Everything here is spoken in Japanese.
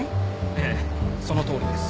ええそのとおりです。